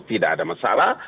tidak ada masalah